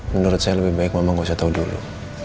menurut saya lebih baik mama gak usah tau dulu